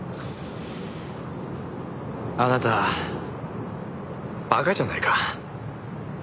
あなたバカじゃないか？